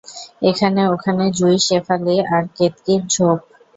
এখানে ওখানে জুঁই, শেফালি আর কেতকীর ঝোপ।